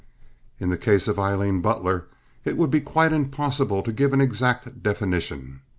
In the case of Aileen Butler it would be quite impossible to give an exact definition.